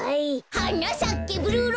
「はなさけブルーローズ」